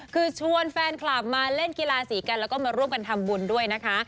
คือชวนแฟนคลับมาเล่นกีฬาสีกันแล้วก็มาร่วมกันทำบุญด้วยนะคะ